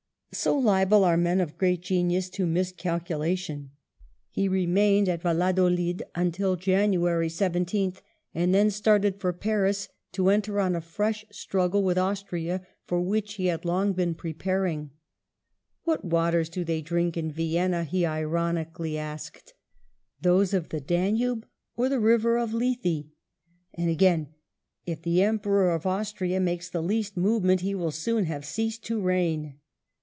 So liable are men of great genius to miscalcu lation. He remained at Yalladolid until January 17th, and then started for Paris to enter on a fresh struggle with Austria for which he had long been preparing. " What waters do they drink in Vienna," he ironically CHAP. VI AGAIN EMBARKS FOR LISBON 107 asked, "those of the Danube or the river of Lethe 1" And again, " if the Emperor of Austria makes the least movement, he will soon have ceased to reign."